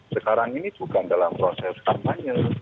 sekarang ini bukan dalam proses kampanye